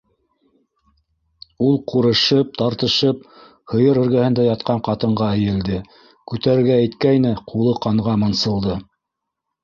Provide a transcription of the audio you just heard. - Ул ҡурышып, тартышып һыйыр эргәһендә ятҡан ҡатынға эйелде, күтәрергә иткәйне - ҡулы ҡанға мансылды.